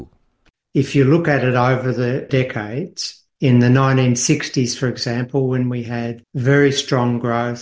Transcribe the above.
jika anda melihatnya dalam dekade di tahun seribu sembilan ratus enam puluh misalnya ketika kita memiliki peningkatan yang sangat kuat